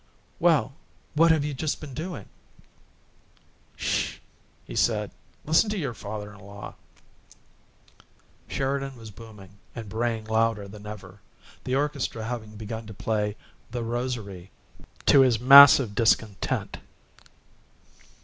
"Well, what have you just been doing?" "SH!" he said. "Listen to your father in law." Sheridan was booming and braying louder than ever, the orchestra having begun to play "The Rosary," to his vast content.